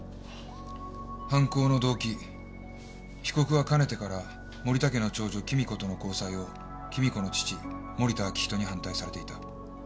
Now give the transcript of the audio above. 「犯行の動機」「被告はかねてから森田家の長女貴美子との交際を貴美子の父森田明仁に反対されていた」